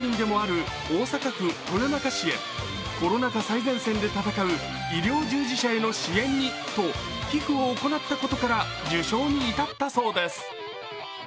自身が名誉市民でもある大阪府豊中市へコロナ禍最前線で戦う医療従事者への支援にと寄付を行ったことから受章に至ったそうです。